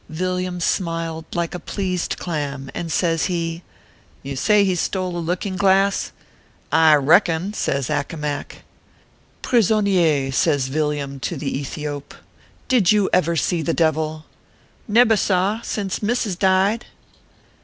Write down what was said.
Villiam smiled like a pleased clam, and says he :" You say he stole a looking glass ?"" I reckon," says Accomac. "Prisonier!" says Villiam, to the Ethiop, "did you ever see the devil ?"" Nebber, sar, since missus died."